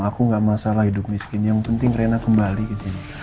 aku gak masalah hidup miskin yang penting rena kembali ke sini